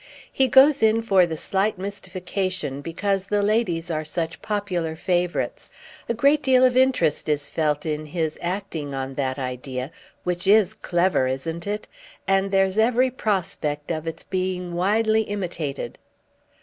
"He goes in for the slight mystification because the ladies are such popular favourites. A great deal of interest is felt in his acting on that idea—which is clever, isn't it?—and there's every prospect of its being widely imitated."